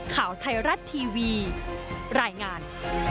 ข่าวไทยรัฐทีวีรายงาน